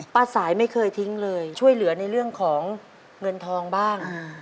สายไม่เคยทิ้งเลยช่วยเหลือในเรื่องของเงินทองบ้าง